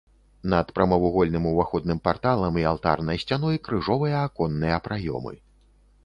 Над прамавугольным уваходным парталам і алтарнай сцяной крыжовыя аконныя праёмы.